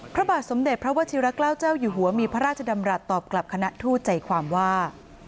พระบาทสมเด็จพระวชิระเกล้าเจ้าอยู่หัวมีพระราชดำรัฐตอบกลับคณะทูตใจความว่า